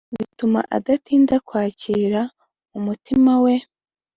bituma adatinda kwakira mu mutima we